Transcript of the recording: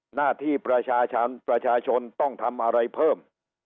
หน้าที่ประชาชนประชาชนต้องทำอะไรเพิ่ม